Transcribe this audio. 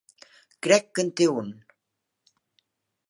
Crec que en té un.